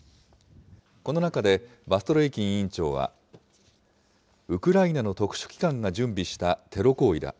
この中でバストルイキン委員長は、ウクライナの特殊機関が準備したテロ行為だ。